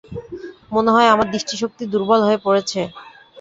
মনে হয় আমার দৃষ্টিশক্তি দুর্বল হয়ে পড়েছে।